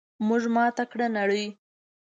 موږ ماته کړه نړۍ!